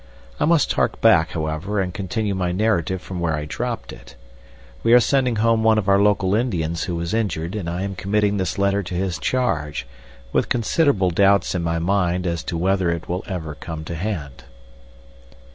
I must hark back, however, and continue my narrative from where I dropped it. We are sending home one of our local Indians who is injured, and I am committing this letter to his charge, with considerable doubts in my mind as to whether it will ever come to hand.